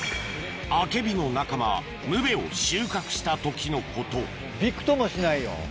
アケビの仲間ムベを収穫した時のことびくともしないよ。